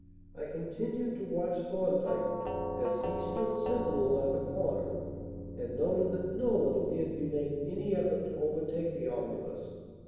I continued to watch Thorndyke as he stood sentinel at the corner, and noted that no one appeared to be making any effort to overtake the omnibus.